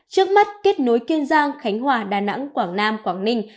trước mắt kết nối kiên giang khánh hòa đà nẵng quảng nam quảng ninh